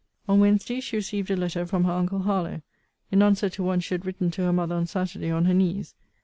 On Wednesday she received a letter from her uncle Harlowe,* in answer to one she had written to her mother on Saturday on her knees.